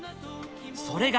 それが。